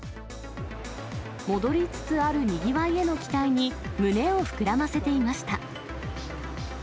戻りつつあるにぎわいへの期待に、胸を膨らませていました。